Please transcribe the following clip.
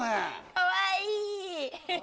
かわいい。